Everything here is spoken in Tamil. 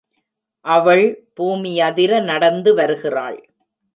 அவள் பூமியதிர நடந்து வருகிறாள்.